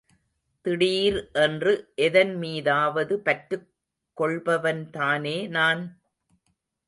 திடீர் என்று எதன் மீதாவது பற்றுக் கொள்பவன்தானே நான்?